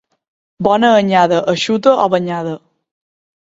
Bona anyada, eixuta o banyada.